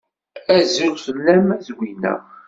Azul fell-am a Zwina.